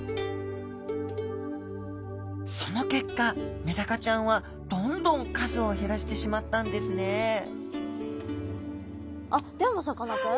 その結果メダカちゃんはどんどん数を減らしてしまったんですねあっでもさかなクン？